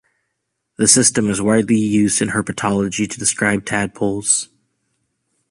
The system is widely used in herpetology to describe tadpoles.